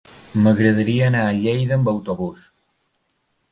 M'agradaria anar a Lleida amb autobús.